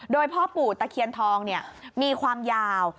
โดยพ่อปู่ตะเคียนทองมีความยาว